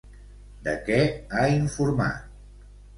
De què ha informat?